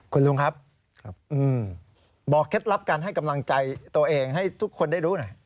คุณลุงครับบอกเคล็ดลับการให้กำลังใจตัวเองให้ทุกคนได้รู้หน่อย